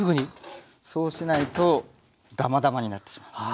そうしないとダマダマになってしまいます。